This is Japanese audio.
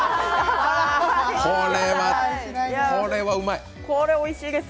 これはうまい！